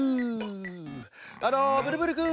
あのブルブルくん。